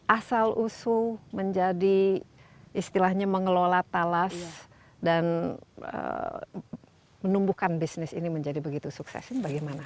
asal usul menjadi istilahnya mengelola talas dan menumbuhkan bisnis ini menjadi begitu sukses ini bagaimana